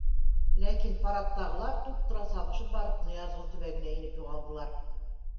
Ләкин пар аттағылар, туп-тура сабышып барып, Ныязғол төбәгенә инеп юғалдылар.